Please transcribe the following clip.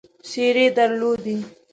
څېرې درلودې.